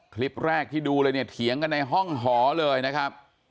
คลิปแรกที่ดูเลยเนี่ยเถียงกันในห้องหอเลยนะครับ